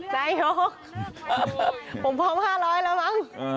นายกผมพร้อม๕๐๐แล้วมั้ง